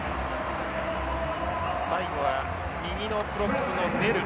最後は右のプロップのネル。